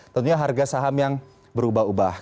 tentunya harga saham yang berubah ubah